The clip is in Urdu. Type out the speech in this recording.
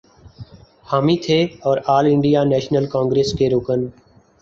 حامی تھے اور آل انڈیا نیشنل کانگریس کے رکن